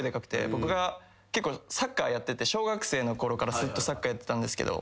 僕が結構サッカーやってて小学生のころからずっとサッカーやってたんですけど。